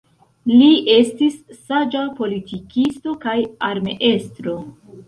Li estis saĝa politikisto kaj armeestro.